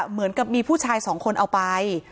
เหมือนกับมีผู้ชายสองคนเอาไป